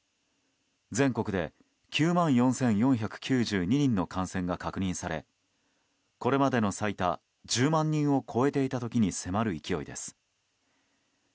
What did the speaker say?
全国で９万４４９２人の感染が確認されこれまでの最多１０万人を超えていた時に迫る勢いです。